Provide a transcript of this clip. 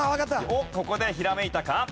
おっここでひらめいたか？